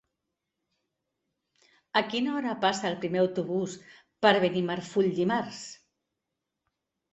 A quina hora passa el primer autobús per Benimarfull dimarts?